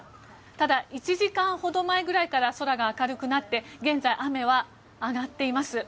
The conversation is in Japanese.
ただ、１時間ほど前ぐらいから空が明るくなって現在、雨は上がっています。